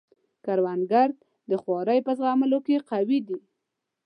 کروندګر د خوارۍ په زغملو کې قوي دی